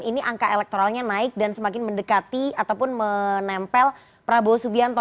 ini angka elektoralnya naik dan semakin mendekati ataupun menempel prabowo subianto